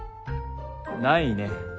ないね。